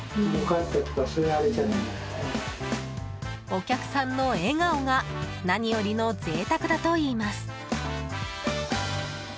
お客さんの笑顔が何よりの贅沢だといいます。